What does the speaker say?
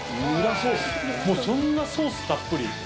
そんなソースたっぷり。